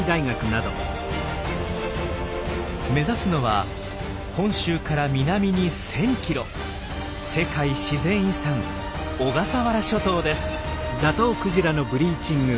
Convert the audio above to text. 目指すのは本州から南に１，０００キロ世界自然遺産小笠原諸島です。